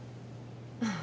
ああ。